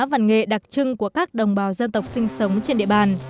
văn nghệ đặc trưng của các đồng bào dân tộc sinh sống trên địa bàn